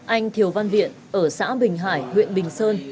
anh thiều văn viện ở xã bình hải huyện bình sơn